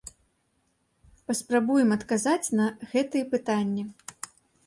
Паспрабуем адказаць на гэтыя пытанні.